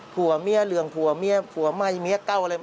ผัวเมียเหลืองผัวเมียผัวใหม่เมียเก่าอะไร